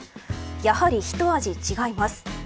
やはり、一味違います。